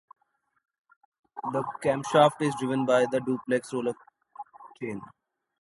The camshaft is driven by duplex roller chain.